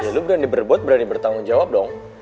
ya lu berani berbuat berani bertanggung jawab dong